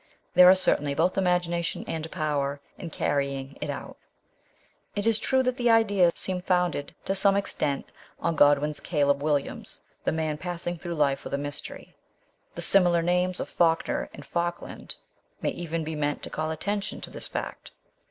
There are certainly both imagination and power in carrying it out. It is true that the idea seems founded, to some extent, on Godwin's Caleb Williams, the man passing through, life with a mystery ; the similar names of Falkner and Falkland may even be meant to call attention to this fact.